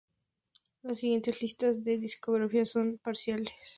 Las siguientes listas de discografía son parciales.